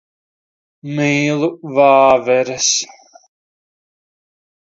Mīlu vāveres.